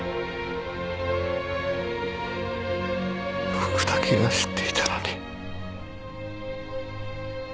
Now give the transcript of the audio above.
僕だけが知っていたのに。